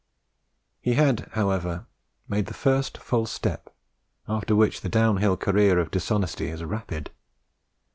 He had, however, made the first false step, after which the downhill career of dishonesty is rapid.